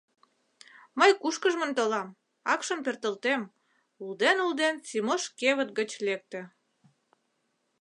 Мый кушкыжмын толам, акшым пӧртылтем, — улден-улден, Симош кевыт гыч лекте.